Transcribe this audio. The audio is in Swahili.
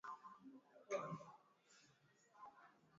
ashiri itakuwa imerudi chini kwa maana huenda